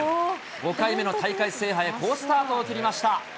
５回目の大会制覇へ好スタートを切りました。